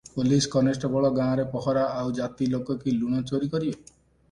Police constable ଗାଁରେ ପହରା- ଆଉ ଜାତି ଲୋକ କି ଲୁଣ ଚୋରି କରିବେ?